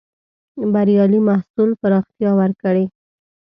بریالي محصول پراختيا ورکړې.